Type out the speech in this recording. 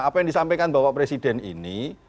apa yang disampaikan bapak presiden ini